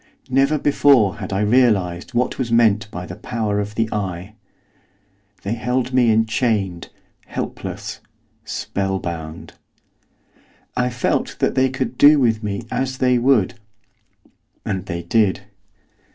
Never before had I realised what was meant by the power of the eye. They held me enchained, helpless, spell bound. I felt that they could do with me as they would; and they did.